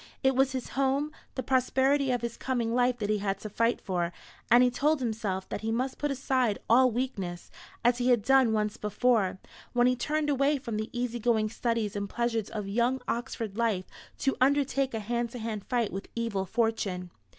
It was his home, the prosperity of his coming life that he had to fight for; and he told himself that he must put aside all weakness, as he had done once before, when he turned away from the easy going studies and pleasures of young Oxford life to undertake a hand to hand fight with evil fortune.